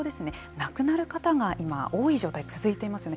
亡くなる方が今多い状態が続いていますよね。